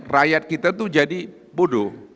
rakyat kita itu jadi bodoh